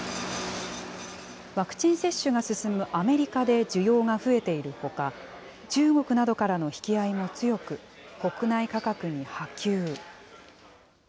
ワクチン接種が進むアメリカで需要が増えているほか、中国などからの引き合いも強く、国内価格に波及。